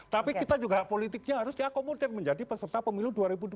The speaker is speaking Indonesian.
tapi kita juga hak politiknya harus diakomodir menjadi peserta pemilu dua ribu dua puluh